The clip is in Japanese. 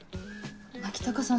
牧高さん